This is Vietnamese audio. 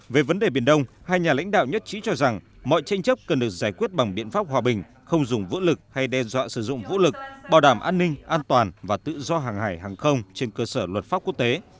về vấn đề biển đông hai nhà lãnh đạo nhất trí cho rằng mọi tranh chấp cần được giải quyết bằng biện pháp hòa bình không dùng vũ lực hay đe dọa sử dụng vũ lực bảo đảm an ninh an toàn và tự do hàng hải hàng không trên cơ sở luật pháp quốc tế